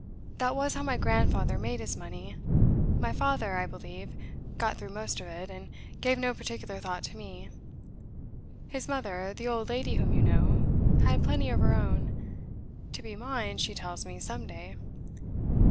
That was how my grandfather made his money. My father, I believe, got through most of it, and gave no particular thought to me. His mother the old lady whom you know had plenty of her own to be mine, she tells me, some day.